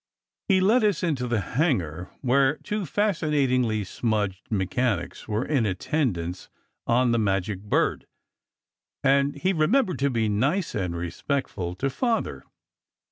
He led us into the hangar, where two fascinatingly smudged mechanics were in attendance on the magic bird; and he remembered to be nice and respectful to Father.